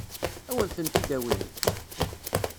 Ad wen-tent-id-awin?